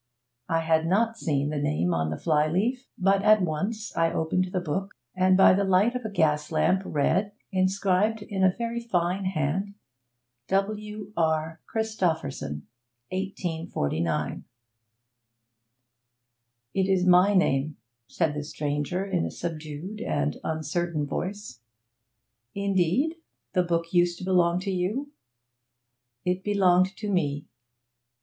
I had not seen the name on the flyleaf, but at once I opened the book, and by the light of a gas lamp read, inscribed in a very fine hand, 'W. R. Christopherson, 1849.' 'It is my name,' said the stranger, in a subdued and uncertain voice. 'Indeed? The book used to belong to you?' 'It belonged to me.'